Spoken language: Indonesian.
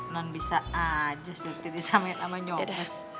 non bisa aja disamain sama nyobes